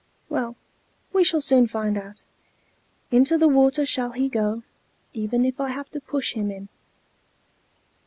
Well, we shall soon find out. Into the water shall he go, even if I have to push him in."